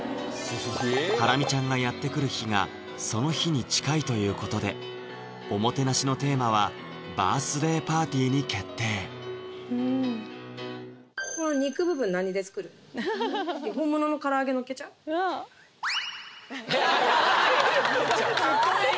ハラミちゃんがやって来る日がその日に近いということでおもてなしのテーマはバースデーパーティーに決定かわいい！